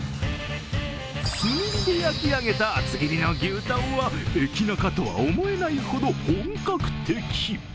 炭火で焼き上げた厚切りの牛タンは、駅ナカとは思えないほど本格的。